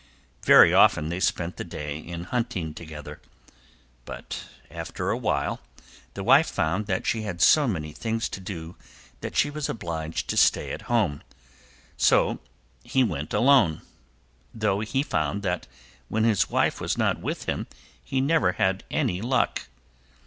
Very often they spent the day in hunting together, but after awhile the wife found that she had so many things to do that she was obliged to stay at home; so he went alone, though he found that when his wife was not with him he never had any luck.